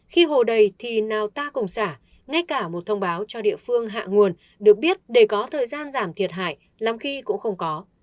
khi hồ đầy thì nào ta cùng xả ngay cả một thông báo cho địa phương hạ nguồn được biết để có thời gian giảm thiệt hại lắm khi cũng không có